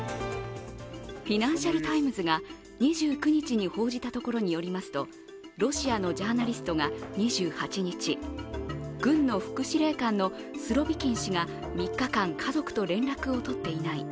「フィナンシャル・タイムズ」が２９日に報じたところによりますと、ロシアのジャーナリストが２８日、軍の副司令官のスロビキン氏が３日間家族と連絡を取っていない。